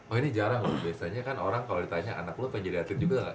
oh ini jarang loh biasanya kan orang kalau ditanya anak lu pengen jadi atlet juga gak